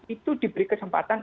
itu diberi kesempatan